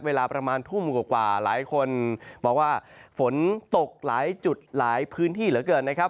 เวลาประมาณทุ่มกว่าหลายคนบอกว่าฝนตกหลายจุดหลายพื้นที่เหลือเกินนะครับ